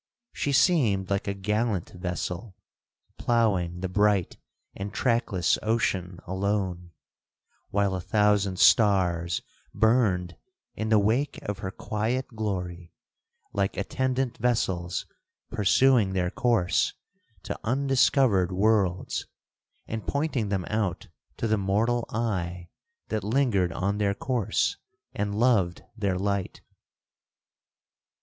She seemed like a gallant vessel ploughing the bright and trackless ocean alone, while a thousand stars burned in the wake of her quiet glory, like attendant vessels pursuing their course to undiscovered worlds, and pointing them out to the mortal eye that lingered on their course, and loved their light.